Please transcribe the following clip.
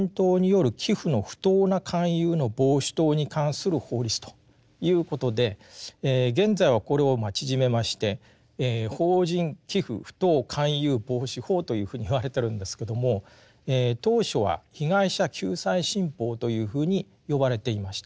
この新法はですねということで現在はこれを縮めまして「法人寄附不当勧誘防止法」というふうに言われてるんですけども当初は「被害者救済新法」というふうに呼ばれていました。